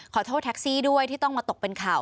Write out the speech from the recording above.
ขอโทษแท็กซี่ด้วยที่ต้องมาตกเป็นข่าว